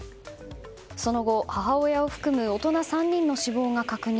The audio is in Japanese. その後、母親を含む大人３人の死亡が確認。